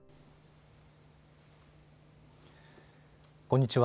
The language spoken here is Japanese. こんにちは。